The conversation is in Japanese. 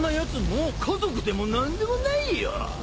もう家族でも何でもないよ。